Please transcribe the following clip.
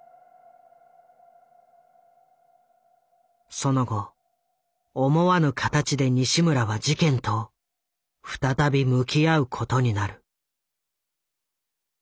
その後思わぬ形で西村は事件と再び向き合うことになる。